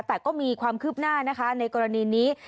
แต่ก็มีความคืบหน้านะคะในกรณีนี้